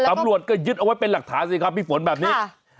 ตำรวจก็ยึดเอาไว้เป็นหลักฐานสิครับพี่ฝนแบบนี้